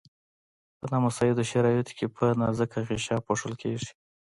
په نامساعدو شرایطو کې په نازکه غشا پوښل کیږي.